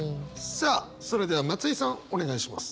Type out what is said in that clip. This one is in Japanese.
さあそれでは松居さんお願いします。